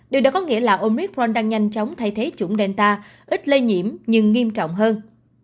điều đó có nghĩa là omicron đang nhanh chóng thay thế chủng delta ít lây nhiễm nhưng nghiêm trọng hơn